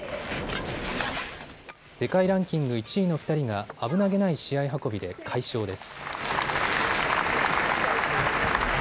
世界ランキング１位の２人が危なげない試合運びで快勝です。